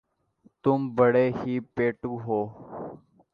تم بڑے ہی پیٹُو ہو